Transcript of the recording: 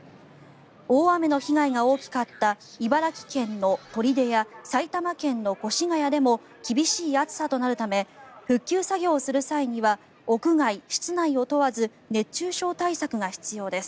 大雨の被害が大きかった茨城県の取手や埼玉県の越谷でも厳しい暑さとなるため復旧作業をする際には屋外、室内を問わず熱中症対策が必要です。